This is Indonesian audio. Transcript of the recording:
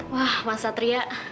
wah mas satria